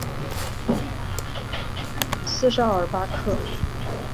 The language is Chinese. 斯绍尔巴克。